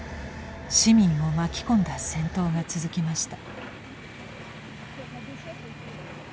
市民を巻き込んだ戦闘が続きました。